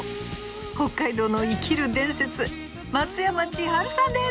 北海道の生きる伝説松山千春さんです！